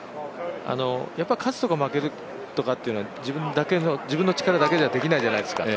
やっぱ勝つとか負けるとかって自分の力だけじゃできないじゃないですか。